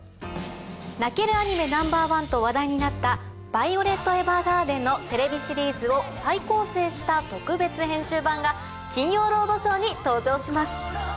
泣けるアニメＮｏ．１と話題になった『ヴァイオレット・エヴァーガーデン』のテレビシリーズを再構成した特別編集版が『金曜ロードショー』に登場します。